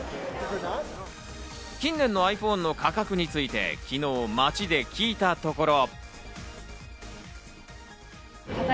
近年のｉＰｈｏｎｅの価格について、昨日、街で聞いたところ。